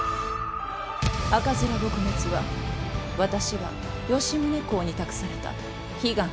赤面撲滅は、私が吉宗公に託された悲願だからです。